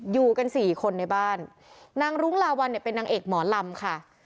อยู่กันสี่คนในบ้านนางรุ้งลาวัลเนี่ยเป็นนางเอกหมอลำค่ะ